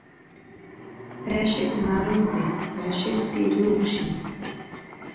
راشد ناروغ دی، راشد دې روغ شي